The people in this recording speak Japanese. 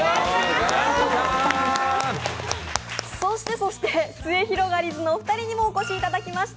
そしてそして、すゑひろがりずのお二人にもお越しいただきました。